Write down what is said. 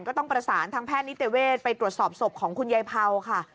ก็ต้องประสานทางแพทย์นิติเวศไปตรวจสอบศพของคุณยายเผาค่ะ